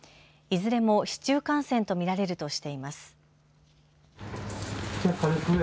いずれも市中感染と見られるとしています。